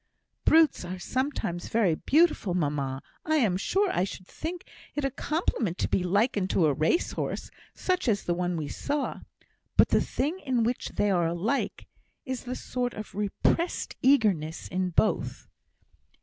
"Brutes are sometimes very beautiful, mamma. I am sure I should think it a compliment to be likened to a race horse, such as the one we saw. But the thing in which they are alike, is the sort of repressed eagerness in both."